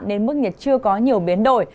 nên mức nhiệt chưa có nhiều biến đổi